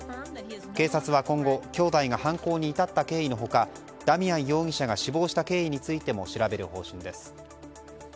警察は今後兄弟が犯行に至った経緯の他ダミアン容疑者が死亡した経緯についても調べる方針です。